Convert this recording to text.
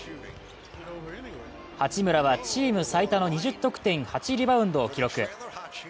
八村はチーム最多の２０得点８リバウンドを記録。